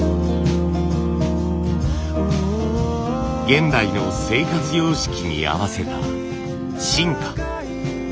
現代の生活様式に合わせた進化。